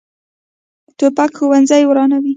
توپک ښوونځي ورانوي.